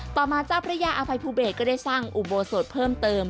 ต่อมาเจ้าพระยาอภัยภูเบศก็ได้สร้างอุโบสถเพิ่มเติม